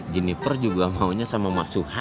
jennifer juga maunya sama mas suha